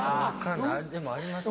でもあります